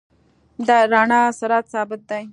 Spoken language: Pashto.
د رڼا سرعت ثابت دی.